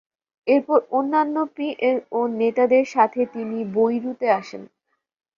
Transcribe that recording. এরপর অন্যান্য পিএলও নেতাদের সাথে তিনি বৈরুতে আসেন।